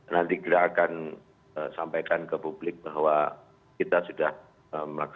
nanti kita akan sampaikan ke publik bahwa kita sudah melaksanakan